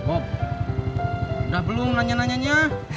udah belum nanya nanya